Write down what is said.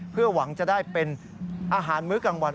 เพื่อหวังจะได้เป็นอาหารมื้อกลางวัน